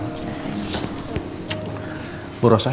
assalamualaikum warahmatullahi wabarakatuh